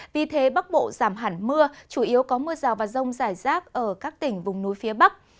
vì thế bắc bộ giảm hẳn mưa chủ yếu có mưa rào và rông rải rác ở các tỉnh vùng núi phía bắc